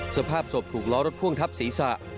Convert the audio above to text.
สภาพศพถูกล้อรถพ่วงทับศีรษะ